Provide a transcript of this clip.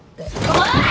おい！